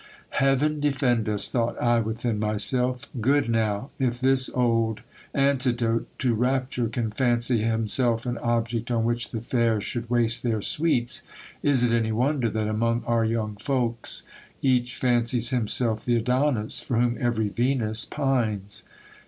Heaven defend us J thought I within myself: good now ! if this old antidote to rapture can fancy himself an object on which the fair should waste their sweets, is it any wonder that among our young folks each fancies himself the Adonis, for whom every Venus pines